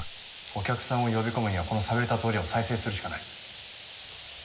お客さんを呼び込むにはこの寂れた通りを再生するしかない。